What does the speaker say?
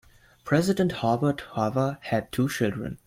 President Herbert Hoover had two children.